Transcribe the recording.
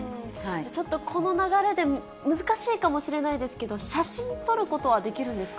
ちょっとこの流れで難しいかもしれないですけれども、写真撮ることはできるんですか？